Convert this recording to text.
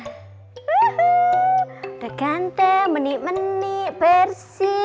sudah ganteng menik menik bersih